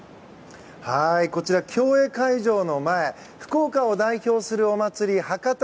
こちら、競泳会場の前福岡を代表するお祭り博多